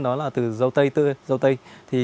đó là từ dâu tây tươi